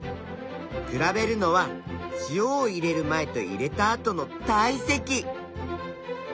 比べるのは塩を入れる前と入れた後の体積。